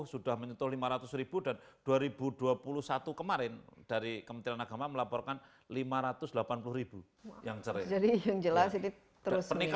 sudah menyentuh lima ratus ribu dan dua ribu dua puluh satu kemarin dari kementerian agama melaporkan lima ratus delapan puluh ribu yang cerai